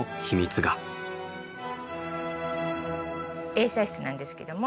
映写室なんですけども。